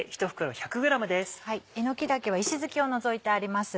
えのき茸は石突きを除いてあります。